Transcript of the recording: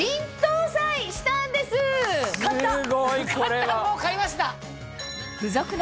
買ったもう買いました。